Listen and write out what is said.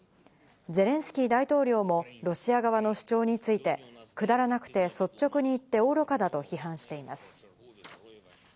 ゼレンスキー大統領もロシア側の主張について、くだらなくて、率直に言って愚かだと批判しています。